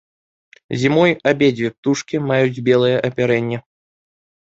Зімой абедзве птушкі маюць белае апярэнне.